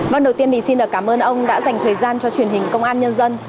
vâng đầu tiên thì xin cảm ơn ông đã dành thời gian cho truyền hình công an nhân dân